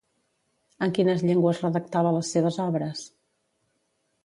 En quines llengües redactava les seves obres?